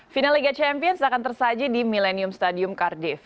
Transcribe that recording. final liga champions akan tersaji di millennium stadium kardif